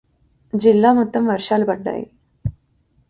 జిల్లా మొత్తం వర్షాలు పడ్డాయి.